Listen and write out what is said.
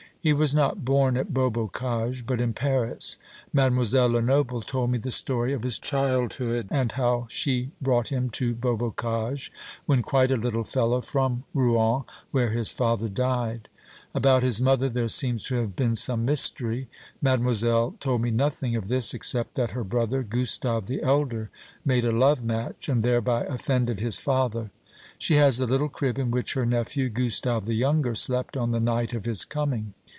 He was not born at Beaubocage, but in Paris. Mademoiselle Lenoble told me the story of his childhood, and how she brought him to Beaubocage, when quite a little fellow, from Rouen, where his father died. About his mother there seems to have been some mystery. Mademoiselle told me nothing of this, except that her brother, Gustave the elder, made a love match, and thereby offended his father. She has the little crib in which her nephew, Gustave the younger, slept on the night of his coming.